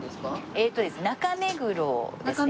えっとですね中目黒ですね。